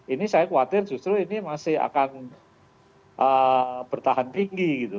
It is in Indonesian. ini saya khawatir justru ini masih akan bertahan tinggi gitu